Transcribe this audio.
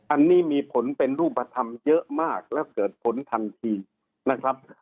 อันนี้มีผลเป็นรูปธรรมเยอะมากแล้วเกิดผลทันทีนะครับ